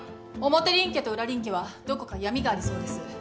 表林家と裏林家はどこか闇がありそうです。